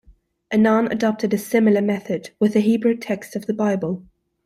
Anan adopted a similar method with the Hebrew text of the Bible.